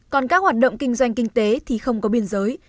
còn các hoạt động kinh doanh kinh tế thì không có biên giới